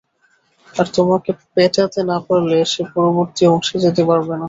আর তোমাকে পেটাতে না পারলে, সে পরবর্তী অংশে যেতে পারবে না।